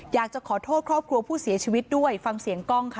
อยากจะขอโทษครอบครัวผู้เสียชีวิตด้วยฟังเสียงกล้องค่ะ